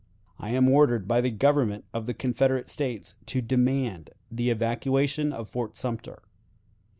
"I am ordered by the Government of the Confederate States to demand the evacuation of Fort Sumter.